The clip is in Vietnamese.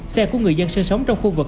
xe của người dân sơ sống trong khu vực